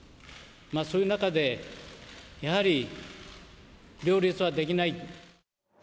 そういう中で、やはり両立はできない。